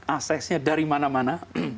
aksesnya dari mana mana